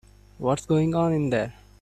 What's going on in there?